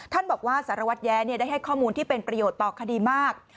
บอกว่าสารวัตรแย้ได้ให้ข้อมูลที่เป็นประโยชน์ต่อคดีมาก